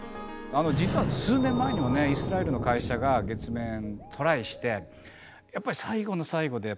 実は数年前にもねイスラエルの会社が月面にトライしてやっぱり最後の最後で駄目だったんですよね。